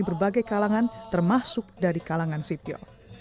berbagai kalangan termasuk dari kalangan sipil